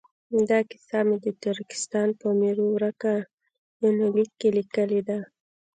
دا کیسه مې د ترکستان په میرو ورکه یونلیک کې لیکلې ده.